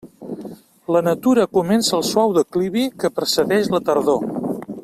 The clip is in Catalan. La natura comença el suau declivi que precedeix la tardor.